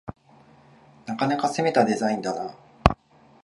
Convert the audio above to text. なかなか攻めたデザインだな